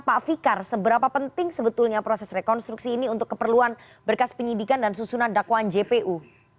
pak fikar seberapa penting sebetulnya proses rekonstruksi ini untuk keperluan berkas penyidikan dan susunan dakwaan jpu